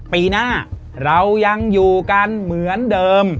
ปีหน้าเรายังอยู่กันเหมือนเดิม